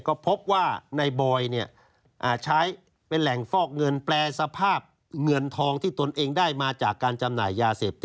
ก็พบว่าในบอยเนี่ย